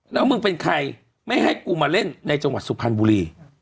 แล้วมึงเป็นใครไม่ให้กูมาเล่นในจังหวัดสุพรรณบุรี